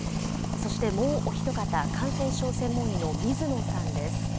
そしてもうお一方、感染症専門医の水野さんです。